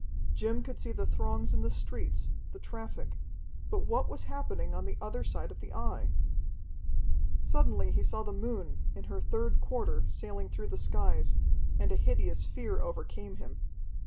Jim could see the throngs in the streets, the traffic. But what was happening in the other side of the Eye? Suddenly he saw the moon in her third quarter sailing through the skies, and a hideous fear overcame him.